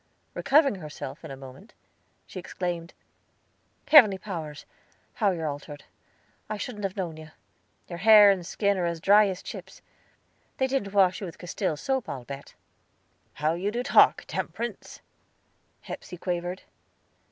Recovering herself in a moment, she exclaimed: "Heavenly Powers, how you're altered! I shouldn't have known you. Your hair and skin are as dry as chips; they didn't wash you with Castile soap, I'll bet." "How you do talk, Temperance," Hepsey quavered.